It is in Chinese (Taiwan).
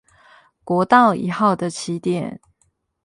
國道一號的起點